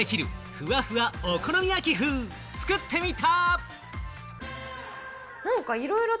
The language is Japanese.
ふわふわお好み焼き風、作ってみた！